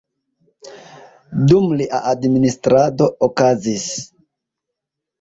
Dum lia administrado okazis;